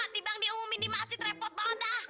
dibang di umum minimasi terrepot banget dah